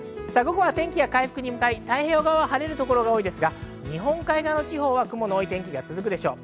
午後は天気は回復に向かい、太平洋側は晴れる所が多いですが日本海側地方は雲の多い天気が続くでしょう。